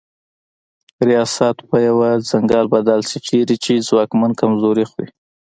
ریاست په یو ځنګل بدل سي چیري چي ځواکمن کمزوري خوري